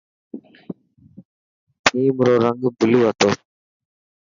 ٿيم رو رنگ بلو هتو.